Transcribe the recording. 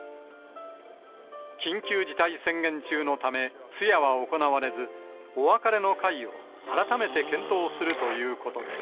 緊急事態宣言中のため、通夜は行われず、お別れの会を改めて検討するということです。